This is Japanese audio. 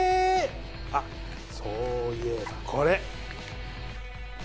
あっそういえばこれ！